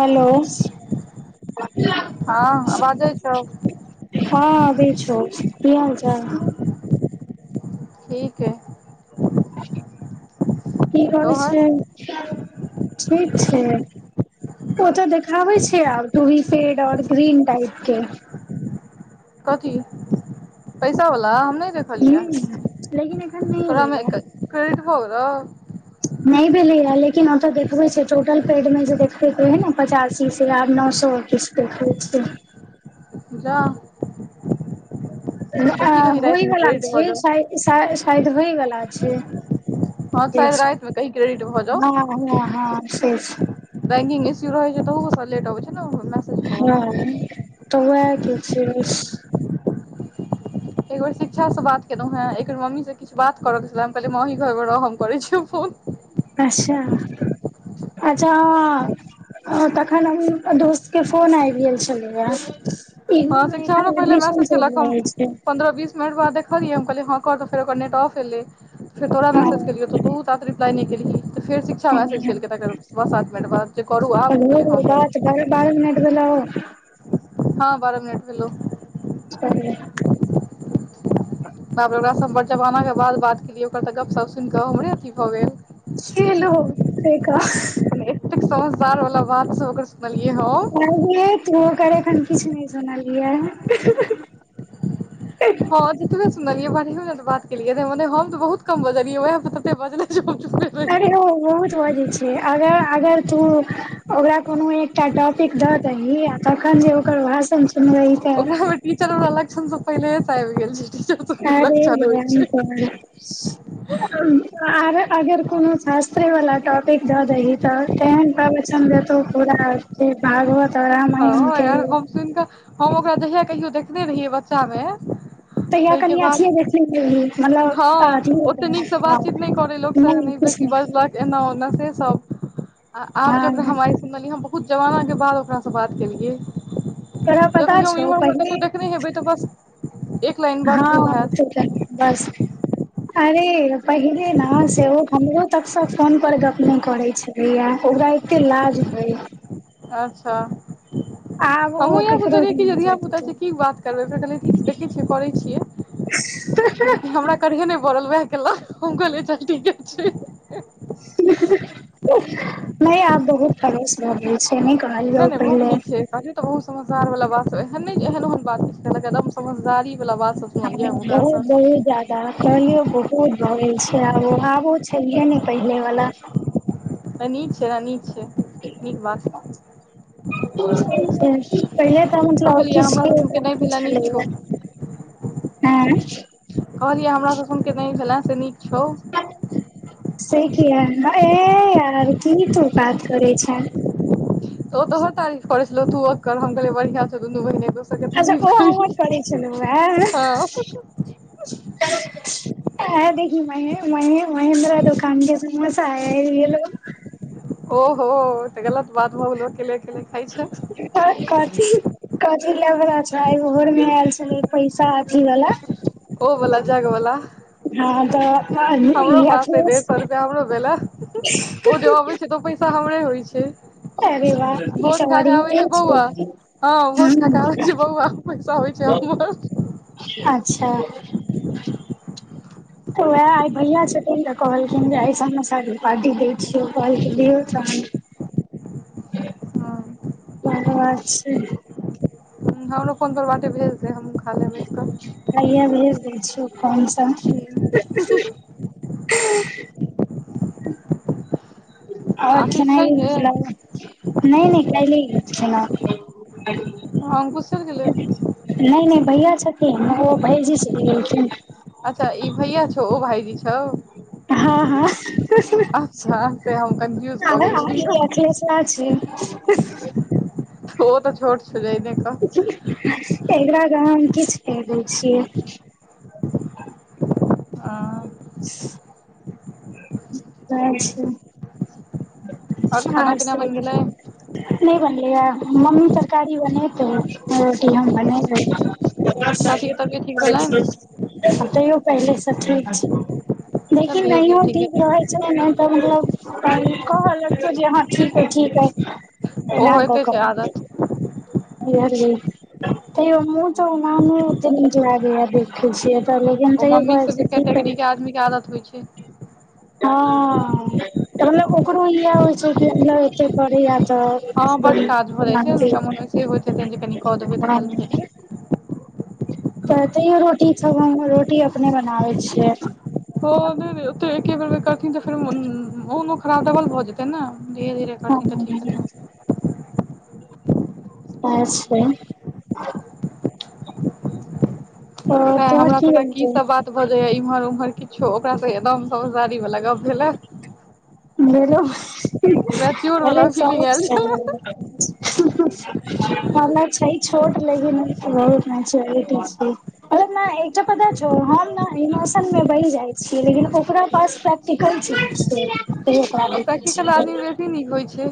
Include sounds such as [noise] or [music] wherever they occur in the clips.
Hello हँ बाजै छौ हँभी छ की हालचाल ठीक हइ की कहय तोहर छै ठीक छै ओ तऽ देखाबै छै आब ूी फेड ओर ग्रीन टाइप के कथी पैसा वला हम देखलियै ह लेकिन एखन नहि तोरा में एलैया क्रेडिट भऽ गेल गेलौ नहि भेले ह लेकिन ओतऽ देखबे छ टोटल पेड में जे देखते के है ने पचासी से आब नौ ओ सए किस देखय छी जाउ रातिमे होइवला क्रेडिट भऽ छै जाउ शाय शायद होइवला छै हँ शायद रातिमे कही क्रेडिट हँ हँ हँ से बंिंग इ्य रहै छै त ब लेटै ने मैसेज हँ होबऽमे तबै छै एक बेर शिक्षा सँ बात केलहुँ हेँ एक बेर मम्मी सँ किछु बात करऽ के छले कहलै मामी घर में रह हम करै छियौ फोन अच्छा अच्छा हाँ ओ तखन हम दोस्त के फोन आबि गेल छलैया इग्नू हँ मे शिक्षा हमरा एखन पहिले एडमिशन मैसेज केल चलि कऽ रहल छै पन्द्रह बीस मिनट तोरा देखलियै हम कहलीये हँ कर त फेर ओकर नेट ऑफ एले फेर तोरा मैसज केलिय तऽ तु रिप्लाई नहि केलही तऽ फेर शिक्षा मैसेज ह केलकै तकर पाँच सात मिनट बाद जे करू आब हम कहलियै हँ रात करू बारह बारह मिनट ह हँ बारह मिनट भैलो छलिए बाप रे बाप ओकरा बड़ जमाना के बात बात केलियै ओकर तऽ गपशप सुनि कऽ हमरे अथी भऽ गेल सेलु से का एतेक सो सार वाला बात से ओकर सुनलियै हम कहै तू ओकर एखन किछु नहि सुनलियै हे हँ ज सुनलिए बिस मिनट बात केलिय मने हम तऽ बहुत कम बजलियै जे हम तऽ चुप अरे ओ बहुत बजै छै अगर अगर तु ओकरा कुनू एकटा टॉपिक दहि तखन जै‌ ओकर भाषण रहि त चलु लक्षण तऽ पहिले आब गेल छी अरे र अ कह अगर कोनो शास्त्र वाला टॉपिक द दही ते तेहन प्रवचन देतौ पूरा भागवत और रामायण हँ के यार हम सुन कऽ हम ओकरा जहिया कहियो देखने रहियै बच्चा में तहिया ताहि के कनि बाद अथिये देखने रही मतलब हँ अथी ओते नीकसँ बातचीत नहि करै लोक नहि किछ बेसी नहि बाजलख एना ओना से सब सब आ आब जे ओकरा हँ हम आइ सुनलियै बहुत जमाना के बाद ओकास से हम बात केलियै तोरा पता देखने छौ एमर उमहर कत्तो पहिले देखने हेबै तऽ बस एक लाइन बात भेल हँ हैत तब बस अरे पहिले नै सेहो हमरो तकसँ फोनपर गप्प नहि करैत छलैया हमरा एतै लाज होइत अच्छा [inaudible] हमहू ओ इह केकरो सोचलियै कि जे नहि कहि धियापुता सकैया सँ की बात करबै फेर कहलियै देखै छियै करैत छियै लेकिन हमरा करहे नहि पड़ल वएहा केल हम कहलियै चल ठीके छै हेलो सभी नहि खहलियो नहि बहुत पहिने नीक छै कहलियै तऽ बहुत समझदार बाला बात एहन ने जे ओहन बात छै समझदारी वाला बात सब सुनलियै कहियौ हम ओकरासँ बहुत बहुत ज्यादा कहियौ बहुत रहै छै आ आबो छैे ने पहिनेे वाला नि छै र नि छै निक बात पहिले तऽ मतलब कहलियै हमरा किछु सब सुन के नहि नई भेले छलै नीक छौ अंए कहलिए यए हमरा सब सनक नहि भेलै से निक से किया ऐना ए यार की तू बात करै छैँ तो ओ तोहो तारीफ करै छलौ तू ओकर हम कहलियै बढ़िया छौ दुनू बहिन एक दोसर के अच्छा तारीफ ओ करी हमर करै छलौआ हँ अ देखी म मे महेन्द्रा दोकान के सम तायल गेलै ह ओहो त गलत बात भ गेलै ओयकेंलेल बस कथि कथी लाअ ओकरा छै घर मे आयल छलै पैसा अथी वला ओवला जगवला हँ तऽ हमरो पास अइ अखिलेश डेढ़ सौ रुपआ हमरो भेले है ओ जब अबै छै तऽ ओ पैसा हमरे होइ छै अ रे वाह भोज इसब खा कऽ आबै बढ़िये छै बौआ हँ भोज खाक हूँ आबै छै बौआ पैसा होइ छै हमर अच्छा तऽ उएह आइ भैया छथिन तऽ कहलखिन जे आइऐसमेसाड़ी पार्टी दै छियौ कहलखिन दियौ [unintelligible] ह हँ कोउन बात छै हमरो फोन दरबाजे भेज दे हमहूँ खा लेब बैस कऽ हैया भेज दै छियौ फोन सँ हें ओर आशीष छैहे खनाइ नहि नहि केलिए हँ अंकुश चैल गेलै नहि नहि भैया छथि ओ भाइजी सँ मिललखिन अच्छा ई भैया छौ ओ भाइजी छौ हँ अच्छा से हँस हम कन्फ्यूज कऽ गेल छै छलियौ ओ ह ओ त छोट छौ जेइने एकरा त हम किछ नहि दै छियै आ अच्छा आओर खाना आर पीना सब बनि गेलै नहि बनेब इहै मम्मी तरकारी बनेतै रोटी हम बनेबै चाची के तबियत ठीक भेलनि तयौ पहिलेसखी चल देखि धीरे धीरे नहियो ठीक हेतै रहै छै नहि तऽ मतलब कहऽ लगतै जे हाँ ठीक ठीक अइ ओ होइते छै आदत इ तै चना ओत नज लगैय देखै छ [unintelligible] पहिलैयो में ओ तैयो मम्मी भ सब के जाइ छै कैटेगरी के [unintelligible] आदमी के आदत होइ छै हाँ मतलब ओकरो इहै होइ छै नै एते करैया त [unintelligible] हँ तऽ बड काज भऽ जाइ छै हुनका मोन वैसे होइत हेतनि जे कनि कऽ देबै तऽ हेल्प हेतै तैयो रोटी छ हम रोटी अपने बनाबै छियै ओ नै नै ओते एकेबेरमे करथिन तऽ फेर मोनो खराब डबल भऽ जेतै ने धीरे धीरे करथीन तऽ ठीक रहतै अच्छा सतै तोहर हमरा की त होइ हैकी बनतै सब बात भऽ जाइ याइम्हर उम्हर किछो ओकरा से एकदम समझदारी बला गप भेलै बेलो मैच्योर अरे वाला फीलिंग आयल [unintelligible] छले पार्लर छै [unintelligible] ओसैनमे बैस छै लेकिन ओकरा पास प्रैक्टिकल छै [unintelligible] प्रैक्टिकल आदमी बेसी नीक होइ छै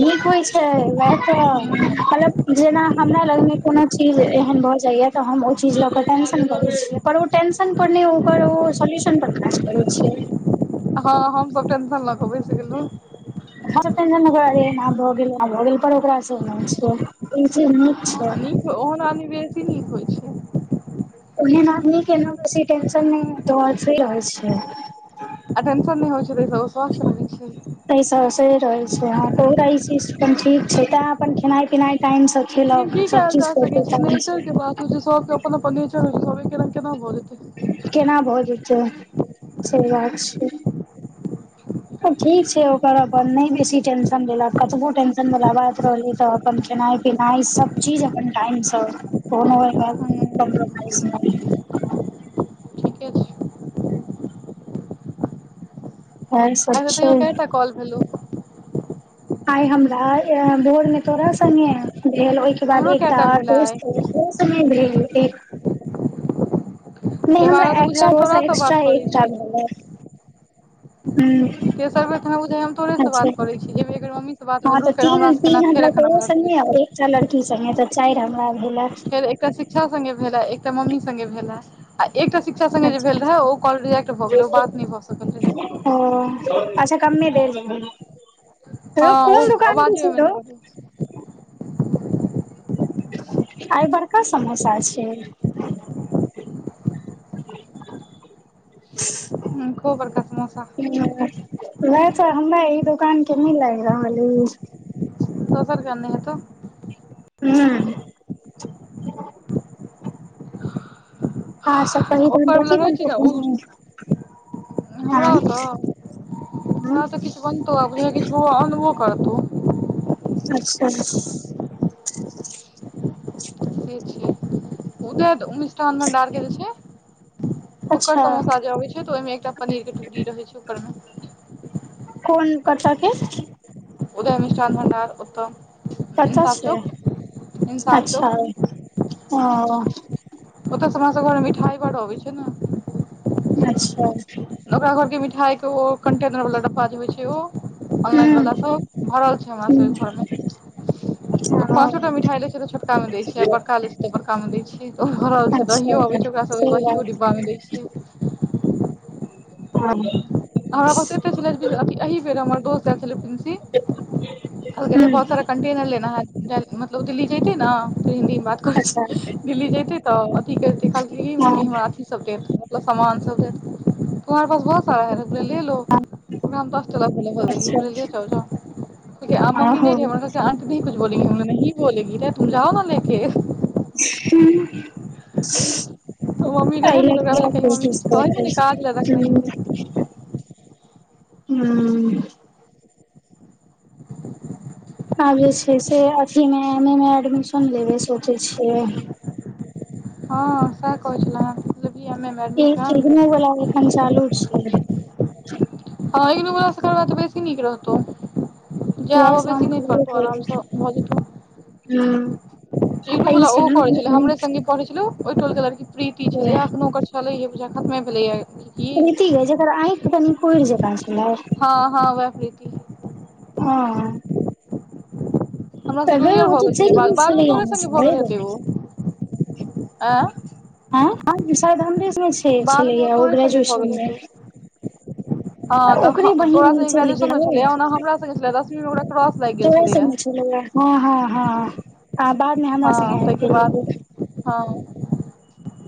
नीक होय छै वयह तऽ कलप जेना हमरा लग नैय कोनो चीज एहन भऽ जाइय तऽ हम ओ चीज ल क टेंशन करै छी पर उ टेंशन करै उ ओकर ओ सोलेशन पर काज करै छैय हँ हमसब टेंशन लऽ के बैस गेलहुं ह तऽ टेंशन नैय कोनो लिहे भगेल भगेल पर ओकरा स हं नीक ओहन आदमी बेसी नीक होय ओहन आदमी के न बेसी टेंशन नहि हेतौ फ्री रहै छै आ टेंशन नहि होइ छलै स्वस्थ रहै छै तैयं हुनकर ई सिस्टम ठीक छै तें अपन खेनाइ पिनाइ टाइम से लेकिन खेलक की कयल सब जा चीज सकै करतै छै टाइम नेचर से के बात होइ छै सबके अपन अपन नेचर होइ छै सब एके रंग केना भ जेतै केना भऽ जेतै से बात छै तऽ ठीक छै ओकर अपन नहि बेसी टेंशन लेलक कतबो टेंशन वला बात रहलै तऽ अपन खै खेनाइ पिनाइ सब चीज अपन टाइम से कोनो एम्हर हूँ कम्प्रोमाइज नै ठीके छै इएह ह सब तऽ तैयो छै केटा कॉल भेलौ आइ हमरा एहा भोर मे तोरा संगे भेल ओहिके बाद हमरो एकटा कएटा भेले आइ दोस्त जे छै से नै भेल नैय तै हमरा बारह तऽ बुझाय एकस्टा हम ओ तोरा सँ एकस्ट्रा बात करै एकटा छी भेलै हूं तेसर बेर तोरा बुझा या हम तोरे स अच्छा बात करै छी जे मे एक बेर मम्मी से बात भेल रहौ फेर हमरा से केना फेर अखन फेर संगे आबै एकटा लड़की संगे त चाइर फेर एकटा शिक्षा संगे भेला एकटा मम्मी संगे भेला एकटा शिक्षा सगें जे भेल अच्छा रहै ओ कॉल रिएक्ट भऽ गेलै ओ बात नहि भऽ सकल रहै ओ अच्छा कम्मे देर हँ यौ ओ कोन दोकान मे आवाजे छै ओहिमे यौ नहि अबै आइ बड़का समोसा छै [inaudible] खूब बड़का समोसा वएह छै हमे ई दुकान के नैय लाइग रहल अछि दोसर गनने हेतौ हूं अहाँ सब कही तहन ओकर कथी लगबै छी न बनतौ उ हमरा आय ओतऽ हँ हमरा ओतऽ किछ बनतो आ बुझाए किछ बौआ आनबो कर तूं अच्छा उठै छी उदैत मिष्ठान भंडार के जे छै ओकर अच्छा समोसा जे अबै छै तऽ ओहिमे एकटा पनीर के टुटी रहै छै ऊपर में कोन कतऽ के उदय मिष्ठान भंडार उत्तम पचासे इंसाफ अच्छा चौक ओ ओतऽ सँ हमरा सभके घर मे मिठाइ बड्ड अबै छै न अच्छा खाय के ओ कंटेनर वला डब्बा जे होय छै ओ ऑनलाइन हूँ वला सब भरल छै हमरा सब हूँ के घरमे तऽ हँ पाँचोटा मिठाई ले छै तऽ छोटका मे दै छै आ बड़का ले छै तऽ बड़का मे दै छियै भरल छै दहियो अच्छा आबै छै ओकरा सब से केँ दहियो बात डिब्बा मे दै छियै हँ हमरा पास एते छलै जे अथी एहि बेर हमर दोस्त एल छलै कहलकै जे बहुत सारा कंटेनर लेना है काल्हि मतलब दिल्ली जयते ने तऽ हिन्दीमे बात कहय अच्छा छी दिल्ली जेते तऽ अथी के से कहलकै कि हँ मम्मी हमरा अथी सब देत मतलब समान सब देत तुम्हारे पास बहुत सारा है कहलिए लेलो दस टाका मे दऽ देलिए अच्छा कहलिए लेलो जाओ कहलकै हँ मम्मी नहि हो रहय हमर आंटी नही कुछ बोलेगी हम कहलियै नहीं बोलेंगी तुम जाओ न लेके [unintelligible] ओ मम्मी रहै ने तऽ ओकरा भेलै कही मम्मी किछु कहै ने काज लए रखने हेतै [unintelligible] ह्म [inaudible] आब जे छै से अथीमे एम ए मे एडमिशन लेबे सोचै छियै हाँ सैह कहै छलै ई इग्न वला एखन चालू छै हाँ इनु बला से करबा तऽ बेसी नीक रहतौ जे उएह आब बेैसी शाम नहि करबे परतौ करबै आरामसँ भऽ जेतौ हूँ इहो आ ई बाला छै ओहो करै ने छलै हमरे संगे पढ़ै छेलौ ओहि टोल के लड़की प्रीति छले एखन ओकर छलैहे बुझाय यै खतमे भेले यै प्रीति गै जकेर आंखि तनी कुइर जेका छै हाँ हाँ वैह प्रीती हँ हमर से तऽ गै जूनियर ओ भऽ तऽ गेल छलै चलि बादमे बादमे छलैया तोरे ने संगे भऽ से गेल हेतै गै। ओ ऐं ऐं ऐंगे शायद हमरे संगे छै छलै यै ओ ग्रेजुएशनमे हाँ तऽ ह तोरा संगे चलि ग्रेजुएशन मे छलैयै ओना हमरा संगे छलै दस तोरे संग छलौयै हाँ हाँ हाँ बादमे हमरा संगे आबि गेल रहय हाँ [inaudible]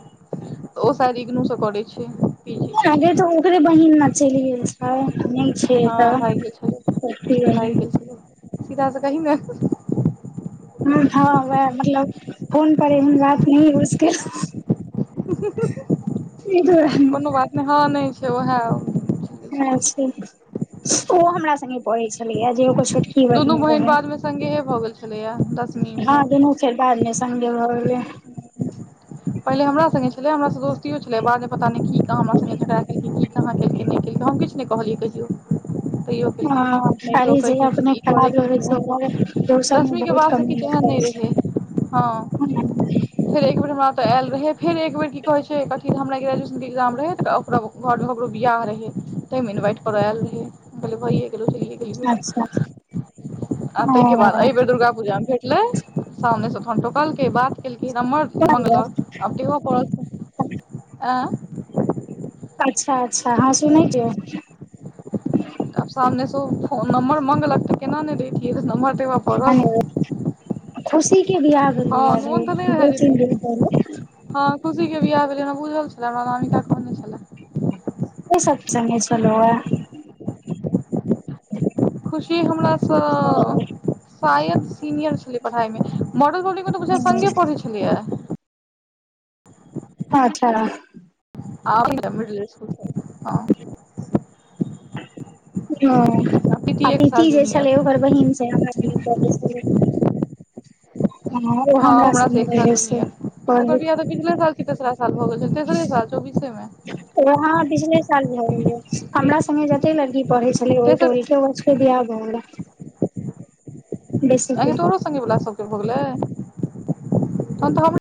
ओ शायद इग्नूसे करै छै पी जी ऐं गे तऽ ओकरे बहिन ने चलि गेल छै मोन छै हँ तऽ भागि तब कि कहलिन्हि सीधासे कहि ने हँ हँ वएह मतलब फोन पर एहन बात नहि ह सकै कोनो दुआरे बात नहि हाँ नहि छै उएह अच्छ ओहो हमरा संगे पढ़ै छलैया जे ओकर छोट दुनू बहिन बाद मे संगेहे भऽ गेल छलैये दस हँ देने छै बादमे संडे भऽ गेलै पहिले हमरा संगे छलै हमरा दोस्तियो छलै बाद पता नहि की कहाँ हमरा संगे झगड़ा केलकै की केलकै नहि केलकै हम किछु नहि कहलियै कहियो तैयो केलकै हँ नहि खाली टोकै जे छथिन अपने ई करै खराब रहै छथिन छै ओ ओकरा करै छथिन दोसर मे दसवीं के बहुत बाद से कमी किछु एहन रहै नै रहे हाँ छै फेर एक बेर हमरा तऽ आयल रहै फेर एकबेर की कहैत छै कथी हमरा ग्रेजुएशनके एग्जाम रहै तऽ ओ घर मे ककरो बियाह रहै तै मे इनवाइट कर आयल रहै हम कहलियै भइए के लऽ चलियौ अच्छा गेलियौ आ तहि के बाद ओ एहि बेर दुर्गा पूजा मे भेटलै सामने से तखन टोकलकै बात केलकै फेर नम्बर अच्छा मंगलक आब देबऽ परल ऐं अच्छा अच्छा हाँ सुनै जैयौ आब सामने सँ फोन नम्बर मंगलक तऽ केना नहि दैतियै नम्बर देबऽ पड़ल हेलो खुशी बियाह हँ भेलैये नोन तऽ नहि दू रहै तीन दैतियै दिन पहिले हँ खुशीके बियाह भेलै हँ बुझल छलै हमरा मामी काल्हि कहने छलै के सब संगे छलौए हँ [inaudible] खुशी हमरा सँ शायद सीनियर छलै पढ़ाइ मे म संगे पढ़ै छलैये अच्छा आउ नऽ मिडिल स्कूल पर हँ आ प्रिति जे जूनियर छलै ओकर बहिन सभ हमरा संगे पढ़ैय छलै ओ हँ हमरा से संगे एक साल रहै से जूनियर ओकर पढ़ै बियाह तऽ पिछले साल की तेसरा साल भऽ गेल छेलै तेसरे साल चौबि बिसे‌ मे ओकर हाँ पिछले साल भए गेलै मे हमरा संगे जेते लड़कि पढ़ै छैलै ओय तेसर टोल के ओकरा सबके बियाह भऽ गेलै बेसी ऐं गै के तोरो संगे वला सबके भऽ गेलै